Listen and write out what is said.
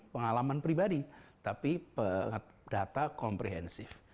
pengalaman pribadi tapi data komprehensif